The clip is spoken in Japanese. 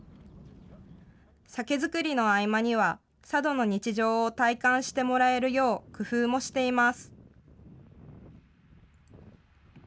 酒造りの合間には、佐渡の日常を体感してもらえるよう、工夫もしています。